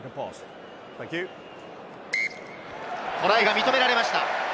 トライが認められました。